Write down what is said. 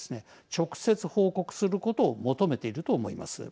直接、報告することを求めていると思います。